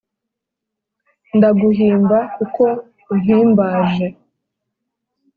Ndaguhimba kuko umpimbaje